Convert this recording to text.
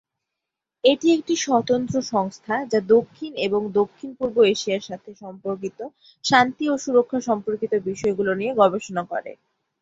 এটি একটি স্বতন্ত্র সংস্থা, যা দক্ষিণ এবং দক্ষিণ-পূর্ব এশিয়ার সাথে সম্পর্কিত শান্তি ও সুরক্ষা সম্পর্কিত বিষয়গুলো নিয়ে গবেষণা করে।